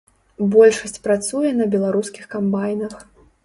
Большасць працуе на беларускіх камбайнах.